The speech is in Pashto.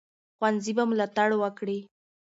ښوونځي به ملاتړ وکړي.